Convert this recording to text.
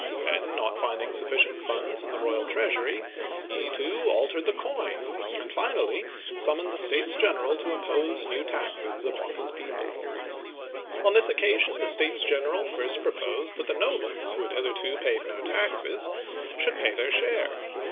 Then, not finding sufficient funds in the royal treasury, he, too, altered the coin, and finally summoned the States General to impose new taxes upon his people. On this occasion, the States General first proposed that the nobles, who had hitherto paid no taxes, should pay uigitizea oy vjiOOQlC JOHN II. (135^^1364) 15s their share.